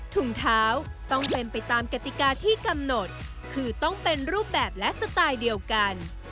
ถุงเท้าต้องเป็นไปตามกติกาที่กำหนดคือต้องเป็นรูปแบบและสไตล์เดียวกัน